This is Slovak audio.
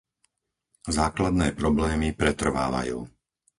Základné problémy pretrvávajú.